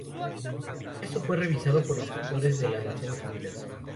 Esto fue revisado por inspectores de las Naciones Unidas.